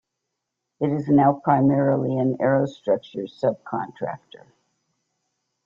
It is now primarily an aerostructures subcontractor.